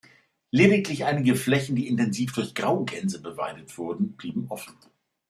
Lediglich einige Flächen, die intensiv durch Graugänse beweidet wurden, blieben offen.